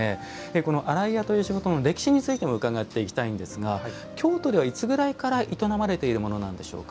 この洗い屋という仕事の歴史についても伺っていきたいんですけれども京都では、いつぐらいから営まれているものなんでしょうか。